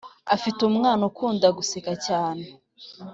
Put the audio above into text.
Afite umwana ukunda guseka cyane